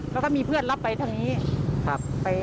แล้วก็มีเพื่อนรับไปทางนี้